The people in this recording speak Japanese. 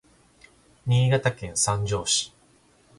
Niigataken sanjo si